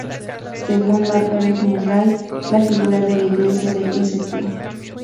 Según Margaret Murray, la figura de la iglesia de St.